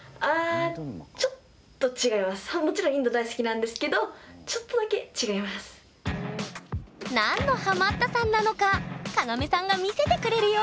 もちろんインド大好きなんですけど何のハマったさんなのかカナメさんが見せてくれるよ！